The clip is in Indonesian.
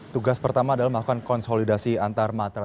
tugas pertama adalah melakukan konsolidasi antarmatra